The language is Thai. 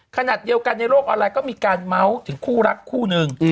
ขณะเดียวกันในโลกออนไลน์ก็มีการเมาส์ถึงคู่รักคู่หนึ่ง